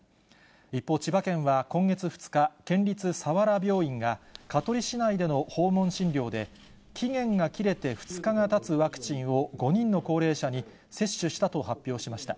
一方、千葉県は今月２日、県立佐原病院が、香取市内での訪問診療で、期限が切れて２日がたつワクチンを５人の高齢者に接種したと発表しました。